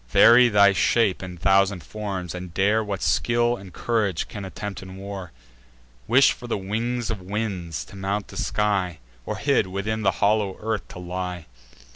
Vary thy shape in thousand forms, and dare What skill and courage can attempt in war; Wish for the wings of winds, to mount the sky; Or hid, within the hollow earth to lie!"